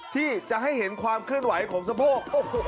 ที่จะให้เห็นความเคลื่อนไหวของสะโพก